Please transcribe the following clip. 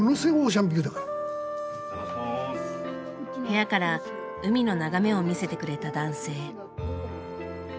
部屋から海の眺めを見せてくれた男性。